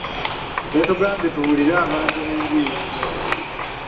Yatugambye tubuulire abantu enjiri.